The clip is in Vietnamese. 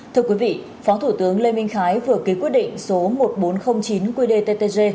thưa quý vị phó thủ tướng lê minh khái vừa ký quyết định số một nghìn bốn trăm linh chín qdttg